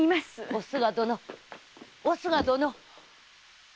おすが殿おすが殿！